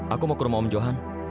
aku mau ke rumah om johan